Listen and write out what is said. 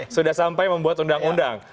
sudah sampai membuat undang undang